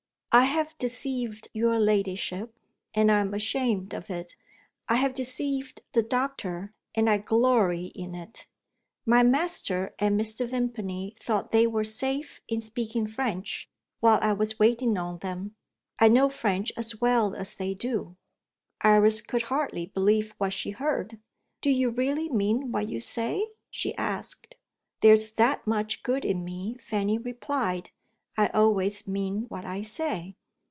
I have deceived your ladyship and I am ashamed of it. I have deceived the doctor and I glory in it. My master and Mr. Vimpany thought they were safe in speaking French, while I was waiting on them. I know French as well as they do." Iris could hardly believe what she heard. "Do you really mean what you say?" she asked. "There's that much good in me," Fanny replied; "I always mean what I say."